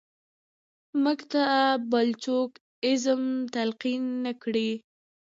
موږ ته څوک بل ایزم تلقین نه کړي.